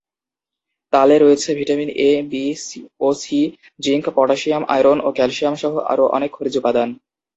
তালে রয়েছে vitamin A, B ও সি, জিংক, পটাসিয়াম, আয়রন ও ক্যালসিয়াম সহ আরো অনেক খনিজ উপাদান।